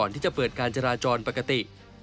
ที่จะเปิดการจราจรปกติ